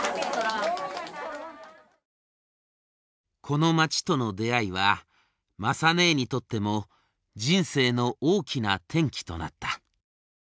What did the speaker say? この町との出会いは雅ねえにとっても人生の大きな転機となった。